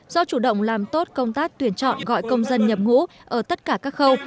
do chủ động làm tốt công tác tuyển chọn gọi công dân nhập ngũ ở tất cả các khâu